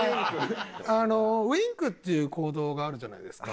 あのウィンクっていう行動があるじゃないですか。